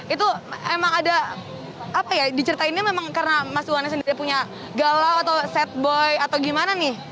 itu emang ada apa ya diceritainnya memang karena mas wana sendiri punya galau atau set boy atau gimana nih